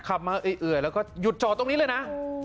ขับมาเอื่อยแล้วก็หยุดจอดตรงนี้เลยนะ